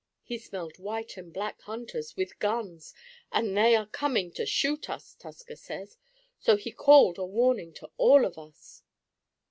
"He smelled white and black hunters, with guns, and they are coming to shoot us, Tusker says. So he called a warning to all of us."